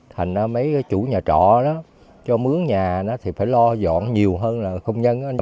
thành ra mấy chủ nhà trọ đó cho mướn nhà đó thì phải lo dọn nhiều hơn là công nhân đó